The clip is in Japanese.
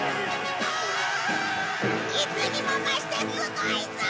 いつにも増してすごいぞ！